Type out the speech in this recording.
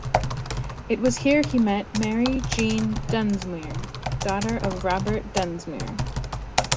It was here he met Mary Jean Dunsmuir, daughter of Robert Dunsmuir.